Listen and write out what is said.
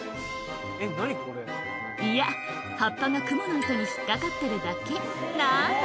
いや葉っぱがクモの糸に引っ掛かってるだけなんだ